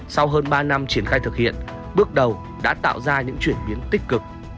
sau hơn ba năm triển khai thực hiện bước đầu đã tạo ra những chuyển biến tích cực